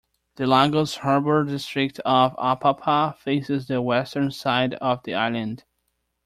The Lagos harbour district of Apapa faces the western side of the island.